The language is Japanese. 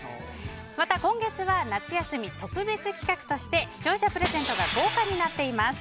また、今月は夏休み特別企画として視聴者プレゼントが豪華になっています。